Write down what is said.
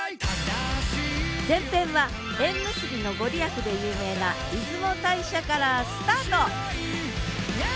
前編は縁結びの御利益で有名な出雲大社からスタート！